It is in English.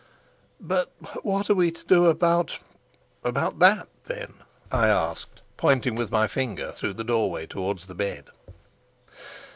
"But what are we to do about about that, then?" I asked, pointing with my finger through the doorway towards the bed.